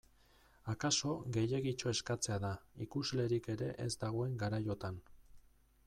Akaso gehiegitxo eskatzea da, ikuslerik ere ez dagoen garaiotan.